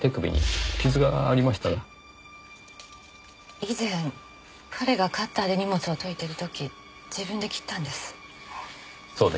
以前彼がカッターで荷物を解いている時自分で切ったんです。